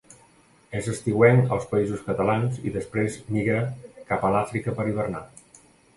És estiuenc als Països Catalans i després migra cap a l'Àfrica per hivernar.